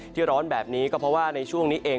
ร้อนแบบนี้ก็เพราะว่าในช่วงนี้เอง